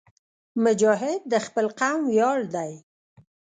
مجاهد د خپل قوم ویاړ دی.